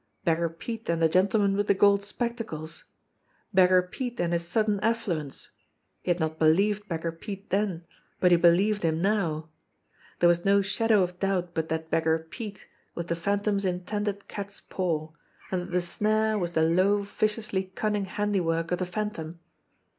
Beggar Pete and the gentleman with the gold spectacles! Beggar Pete and his sudden affluence! He had not believed Beggar Pete then, but he believed him now. There was no shadow of doubt but that Beggar Pete was the Phantom's intended cat's paw, and that the snare was the low, viciously cunning handi work of the Phantom.